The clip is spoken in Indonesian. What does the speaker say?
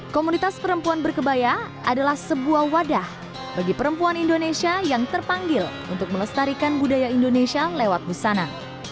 komunitas perempuan berkebaya adalah sebuah wadah bagi perempuan indonesia yang terpanggil untuk melestarikan budaya indonesia lewat busana